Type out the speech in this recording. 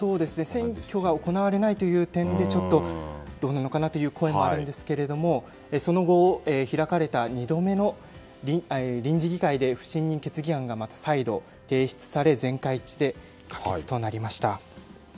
選挙が行われないという点でどうなのかなという声もあるんですがその後、開かれた２度目の臨時議会で不信任決議案がまた再度提出され全会一致で可決となりました。